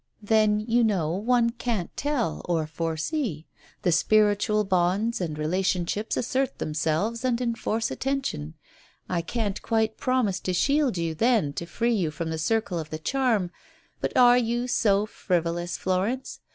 Then, you know, one can't tell, or foresee. ... The spiritual bonds and relationships assert themselves and enforce attention. ... J can't quite promise to shield you, then, to free you from the circle of the charm. ... But are you so frivolous, Florence?